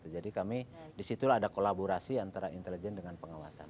jadi kami disitu ada kolaborasi antara intelijen dengan pengawasan